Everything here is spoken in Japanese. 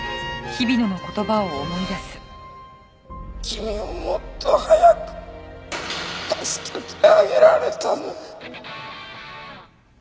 君をもっと早く助けてあげられたのに。